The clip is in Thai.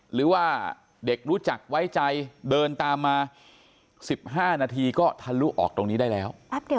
หรือว่าเด็กรู้จักไว้ใจเดินตามมา๑๕นาทีก็ทะลุออกตรงนี้ได้แล้ว